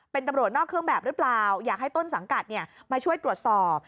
เป็นตำรวจนอกเครื่องแบบหรือเปล่าอยากให้ต้นสังกัดมาช่วยตรวจสอบ